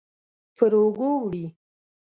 پر اوږو وړي